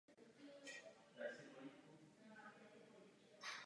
To je dnes splněno.